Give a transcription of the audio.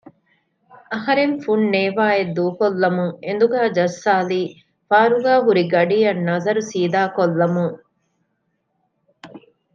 އަހަރެން ފުންނޭވާއެއް ދޫކޮށްލަމުން އެނދުގައި ޖައްސާލީ ފާރުގައި ހުރި ގަޑިއަށް ނަޒަރު ސީދާކޮށްލަމުން